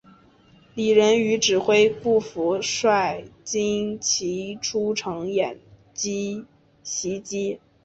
李任与指挥顾福帅精骑出城掩击袭击。